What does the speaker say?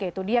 ya itu dia